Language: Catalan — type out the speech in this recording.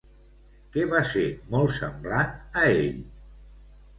Què va ser molt semblant a ell?